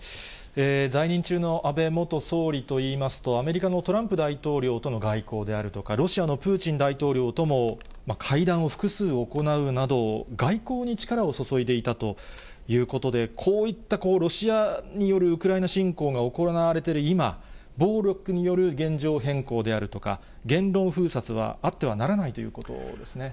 在任中の安倍元総理といいますと、アメリカのトランプ大統領との外交であるとか、ロシアのプーチン大統領とも会談を複数行うなど、外交に力を注いでいたということで、こういったロシアによるウクライナ侵攻が行われている今、暴力による現状変更であるとか、言論封殺は、あってはならないということですね。